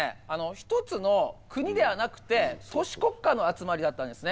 １つの国ではなくて都市国家の集まりだったんですね。